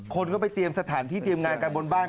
คนก็ไปเตรียมสถานที่เตรียมงานกันบนบ้าน